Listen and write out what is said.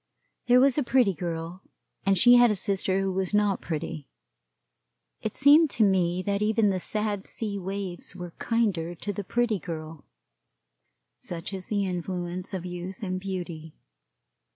There was a Pretty Girl, and she had a sister who was not pretty. It seemed to me that even the sad sea waves were kinder to the Pretty Girl, such is the influence of youth and beauty.